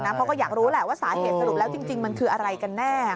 เพราะก็อยากรู้แหละว่าสาเหตุสรุปแล้วจริงมันคืออะไรกันแน่